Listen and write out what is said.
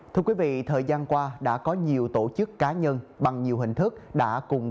thưa quý vị thời gian qua đã có nhiều tổ chức cá nhân bằng nhiều hình thức đã cùng góp sức chung tay